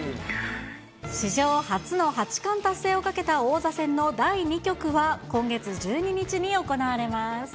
史上初の八冠達成をかけた王座戦の第２局は今月１２日に行われます。